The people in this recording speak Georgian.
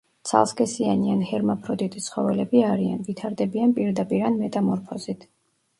ცალსქესიანი ან ჰერმაფროდიტი ცხოველები არიან, ვითარდებიან პირდაპირ ან მეტამორფოზით.